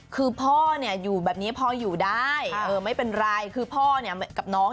คือพ่อเนี่ยอยู่แบบนี้พ่ออยู่ได้ไม่เป็นไรคือพ่อเนี่ยกับน้อง